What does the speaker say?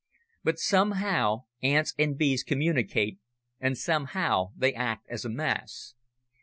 But somehow ants and bees communicate and somehow they act as a mass.